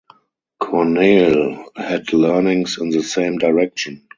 Corneille had leanings in the same direction.